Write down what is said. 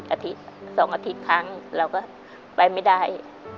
๒อาทิตย์ครั้งเราก็เป็นไปไม่ได้